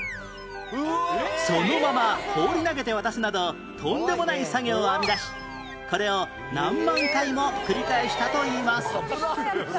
そのまま放り投げて渡すなどとんでもない作業を編み出しこれを何万回も繰り返したといいます